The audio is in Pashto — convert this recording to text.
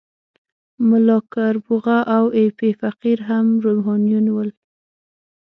ملا کربوغه او ایپی فقیر هم روحانیون ول.